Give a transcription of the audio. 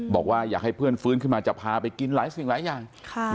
บอกว่าอยากให้เพื่อนฟื้นขึ้นมาจะพาไปกินหลายสิ่งหลายอย่าง